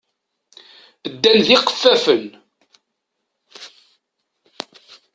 Ddan d iqeffafen.